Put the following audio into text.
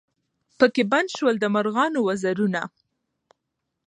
پکښي بند سول د مرغانو وزرونه